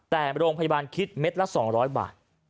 แต่โรงพยาบาลคิดเม็ดละ๒๐๐บาท